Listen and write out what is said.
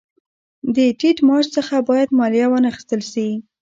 د ټیټ معاش څخه باید مالیه وانخیستل شي